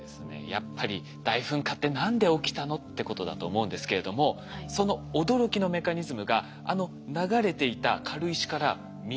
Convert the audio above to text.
やっぱり「大噴火って何で起きたの？」ってことだと思うんですけれどもその驚きのメカニズムがあの流れていた軽石から見えてきたんです。